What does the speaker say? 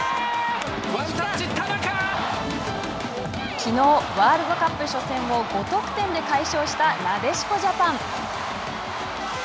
きのうワールドカップ初戦を５得点で快勝したなでしこジャパン。